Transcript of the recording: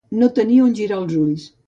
No tenir on girar els ulls.